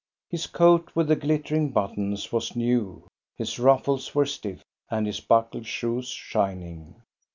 His coat with the glittering buttons was new, his ruffles were stiff, and his buckled shoes shining.